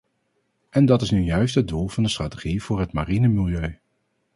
En dat is nu juist het doel van de strategie voor het mariene milieu.